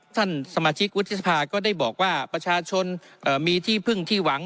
ท่านสมาชิกวุฒิสภาก็ได้บอกว่าประชาชนมีที่พึ่งที่หวัง